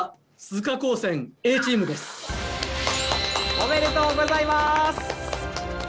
おめでとうございます。